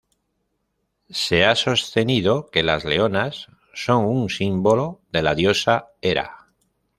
Se ha sostenido que las leonas son un símbolo de la diosa Hera.